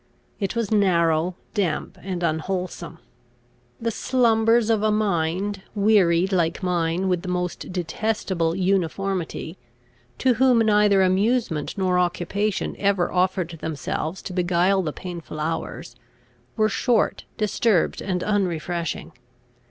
It was narrow, damp, and unwholesome. The slumbers of a mind, wearied, like mine, with the most detestable uniformity, to whom neither amusement nor occupation ever offered themselves to beguile the painful hours, were short, disturbed, and unrefreshing.